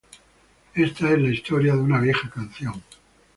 Esta es la historia de una vieja canción.